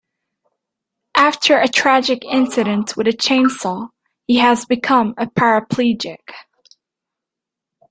After a tragic accident with a chainsaw he has become a paraplegic.